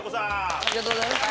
ありがとうございます。